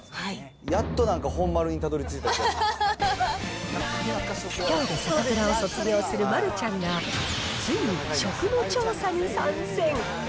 やっとなんか、本丸にたどりついきょうでサタプラを卒業する丸ちゃんが、ついに食の調査に参戦。